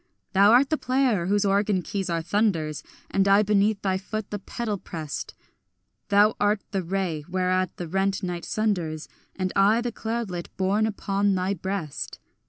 Thou art the player whose organ keys are thunders, And I beneath thy foot the pedal prest; Thou art the ray whereat the rent night sunders, And I the cloudlet borne upon thy breast.